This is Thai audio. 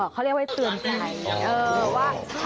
เขาเรียกไว้เตือนใจ